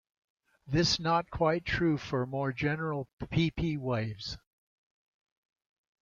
This not quite true for more general pp-waves.